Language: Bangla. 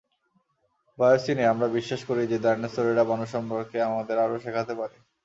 বায়োসিনে, আমরা বিশ্বাস করি যে ডাইনোসরেরা মানুষ সম্পর্কে আমাদের আরো শেখাতে পারে।